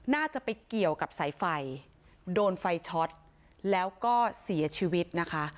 น่าจะไปเกี่ยวกับสายไฟโดนไฟช็อตแล้วก็เสียชีวิตนะคะ